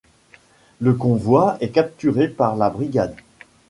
Le convoi est capturé par la brigade.